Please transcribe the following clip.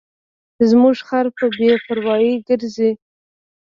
زموږ خر په بې پروایۍ ګرځي.